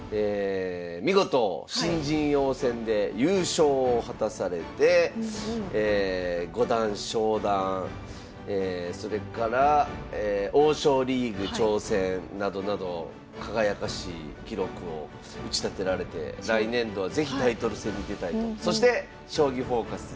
見事新人王戦で優勝を果たされて五段昇段それから王将リーグ挑戦などなど輝かしい記録を打ち立てられて来年度は是非タイトル戦に出たいと。